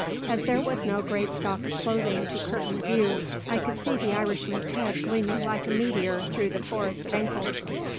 As there was no great stock of clothing to curtain the view, I could see the Irishman's head gleaming like a meteor through the forest of ankles.